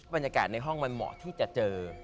บรรยากาศในห้องหมอที่จะเจอ